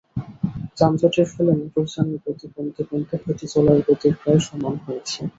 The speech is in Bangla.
যানজটের ফলে মোটরযানের গতি কমতে কমতে হেঁটে চলার গতির প্রায় সমান হয়েছে।